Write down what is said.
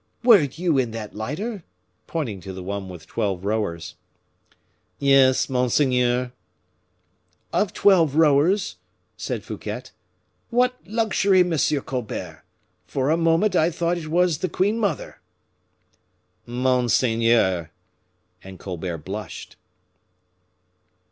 "Were you in that lighter?" pointing to the one with twelve rowers. "Yes, monseigneur." "Of twelve rowers?" said Fouquet; "what luxury, M. Colbert. For a moment I thought it was the queen mother." "Monseigneur!" and Colbert blushed.